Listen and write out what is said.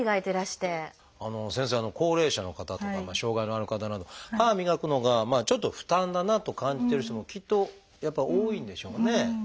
先生高齢者の方とか障害のある方など歯磨くのがちょっと負担だなと感じてる人もきっとやっぱ多いんでしょうね。